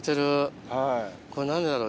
これ何でだろう？